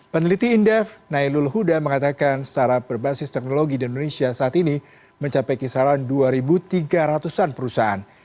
peneliti indef nailul huda mengatakan secara berbasis teknologi di indonesia saat ini mencapai kisaran dua tiga ratus an perusahaan